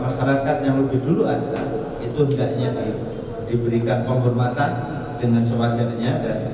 masyarakat yang lebih dulu ada itu hendaknya diberikan penghormatan dengan sewajarnya